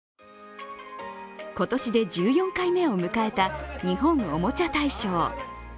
今年で１４回目を迎えた日本おもちゃ大賞。